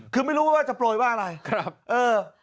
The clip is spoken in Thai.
คือไม่รู้ว่าจะโปรยว่าอะไรครับเออ